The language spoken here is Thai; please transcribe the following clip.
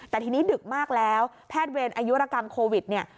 แต่ทีนี้ดึกมากแล้วแพทย์เวรอายุรกรรมโควิดเนี่ย